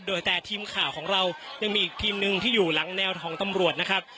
โดยแต่ทีมข่าวของเรายังมีอีกทีมหนึ่งที่อยู่หลังแนวของตำรวจนะครับ